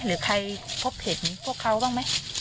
หรือใครพบเห็นพวกเขาบ้างไหม